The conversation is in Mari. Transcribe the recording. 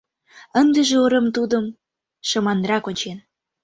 Ындыже урем тудым шыманрак ончен.